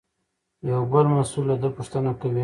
یو بل مسوول له ده پوښتنه کوي.